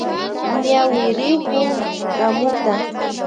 Ñawirikun kamuta.